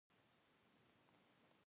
د دهروات د کلي هغه ښځه مې راياده سوه.